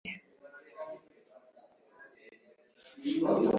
ndetse n umwami azi ibyo neza kandi